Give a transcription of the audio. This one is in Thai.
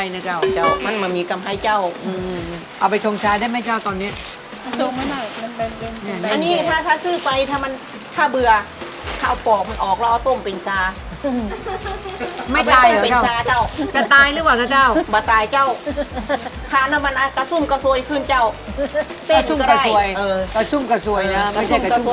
อ๋อสตว์อาจจะเป็นชาทำทางตัวเนี่ยชาเขาเป็นแบบคนแก่ที่กูจะกินจากเดือน